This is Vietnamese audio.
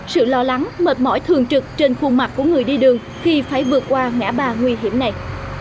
sự lo lắng mệt mỏi thường trực trên khuôn mặt của người đi đường khi phải vượt qua ngã ba nguy hiểm này